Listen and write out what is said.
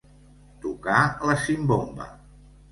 Tocar la simbomba.